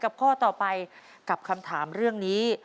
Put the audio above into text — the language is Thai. ข้อต่อไปกับคำถามเรื่องนี้